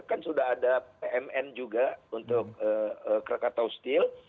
kan sudah ada pmn juga untuk krakatau steel